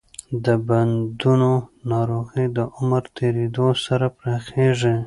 د بندونو ناروغي د عمر تېریدو سره پراخېږي.